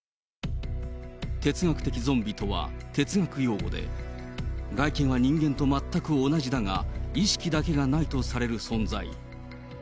哲学的ゾンビとは、哲学用語で、外見は人間と全く同じだが、意識だけがないとされる存在。